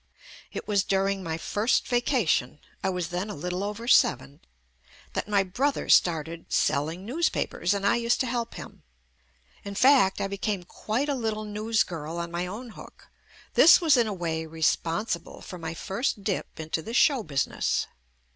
It was during my first vacation (I was then a little over seven) that my brother started selling newspapers and I used to help him. In fact, I became quite a little newsgirl on my own hook. This was in a way responsible for my first dip into the show business.